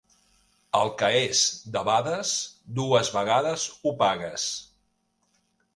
El que és debades, dues vegades ho pagues.